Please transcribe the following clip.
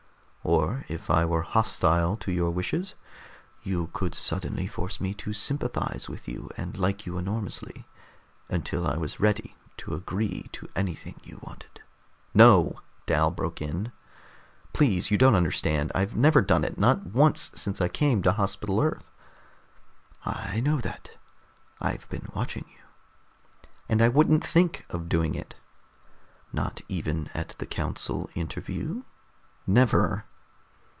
Or if I were hostile to your wishes, you could suddenly force me to sympathize with you and like you enormously, until I was ready to agree to anything you wanted " "No," Dal broke in. "Please, you don't understand! I've never done it, not once since I came to Hospital Earth." "I know that. I've been watching you." "And I wouldn't think of doing it." "Not even at the council interview?" "Never!"